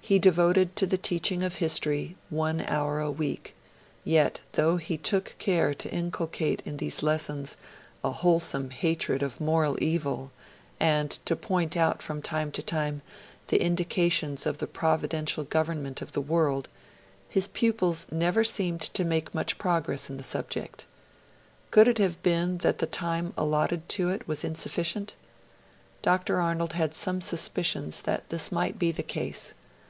He devoted to the teaching of history one hour a week; yet, though he took care to inculcate in these lessons a wholesome hatred of moral evil, and to point out from time to time the indications of the providential government of the world, his pupils never seemed to make much progress in the subject. Could it have been that the time allotted to it was insufficient? Dr. Arnold had some suspicions that this might be the case.